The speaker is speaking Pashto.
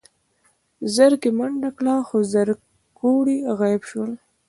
زرکې منډه کړه خو زرکوړي غيب شول.